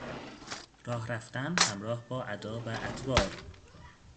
راه رفتن همراه با ادا و اطوار